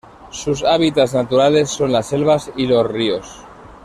Sus hábitats naturales son las selvas y lor ríos.